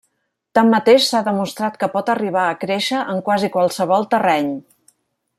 Tanmateix, s'ha demostrat que pot arribar a créixer en quasi qualsevol terreny.